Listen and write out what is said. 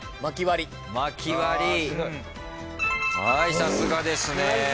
さすがですね。